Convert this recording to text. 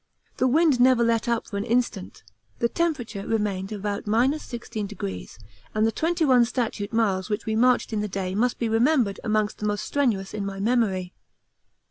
The wind never let up for an instant; the temperature remained about 16°, and the 21 statute miles which we marched in the day must be remembered amongst the most strenuous in my memory.